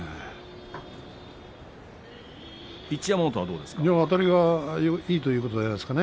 一山本はどうですか？